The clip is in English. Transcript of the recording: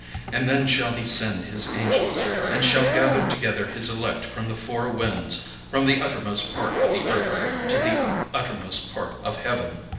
And then shall he send his angels, and shall gather together his elect from the four winds, from the uttermost part of the earth to the uttermost part of heaven.